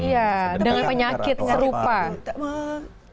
iya dengan penyakit serupa